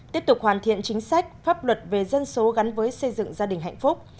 tiếp tục hoàn thiện chính sách pháp luật về dân số gắn với xây dựng gia đình hạnh phúc